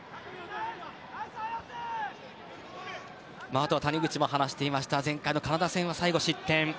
あとは谷口も話していましたが前回のカナダ戦は最後、失点。